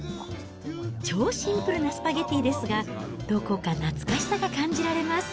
超シンプルなスパゲティですが、どこか懐かしさが感じられます。